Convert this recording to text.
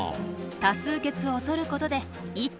多数決をとることで一致団結。